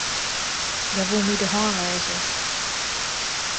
Hja woe my de hân lêze.